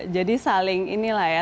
jadi saling ini lah ya